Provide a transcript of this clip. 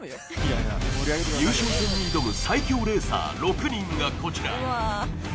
優勝戦に挑む最強レーサー６人がこちら。